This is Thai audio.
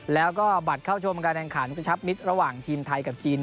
แล้วก็บัตรเข้าชมการแข่งขันกระชับมิตรระหว่างทีมไทยกับจีน